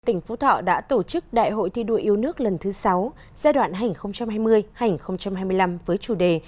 tỉnh phú thọ đã tổ chức đại hội thi đua yêu nước lần thứ sáu giai đoạn hành hai mươi hai nghìn hai mươi năm với chủ đề